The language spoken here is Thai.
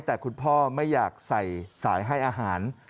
แต่คุณพ่อไม่อยากใส่สายให้อาหาร